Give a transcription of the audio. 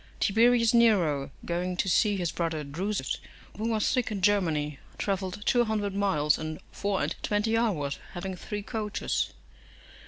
Tiberius Nero, going to see his brother Drusus, who was sick in Germany, travelled two hundred miles in four and twenty hours, having three coaches.